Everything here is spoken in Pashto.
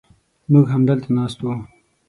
موږ همدلته ناست و.